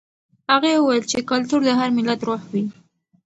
هغه وویل چې کلتور د هر ملت روح وي.